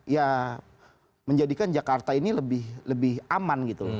ya menjadikan jakarta ini lebih aman gitu